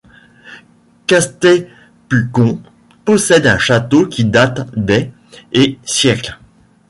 Castetpugon possède un château qui date des et siècles.